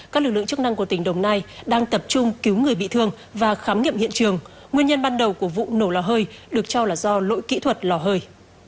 các lực lượng chức năng của tỉnh đồng nai đang tập trung cứu người bị thương và khám nghiệm hiện trường nguyên nhân ban đầu của vụ nổ lò hơi được cho là do lỗi kỹ thuật lò hơi